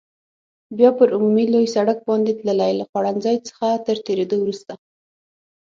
بیا پر عمومي لوی سړک باندې تللې، له خوړنځای څخه تر تېرېدو وروسته.